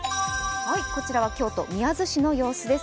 こちらは京都・宮津市の様子です。